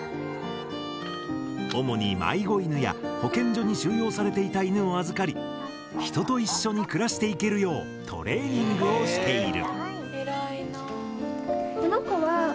主に迷子犬や保健所に収容されていた犬を預かり人と一緒に暮らしていけるようトレーニングをしている。